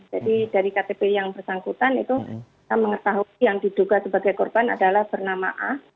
dari ktp yang bersangkutan itu kita mengetahui yang diduga sebagai korban adalah bernama a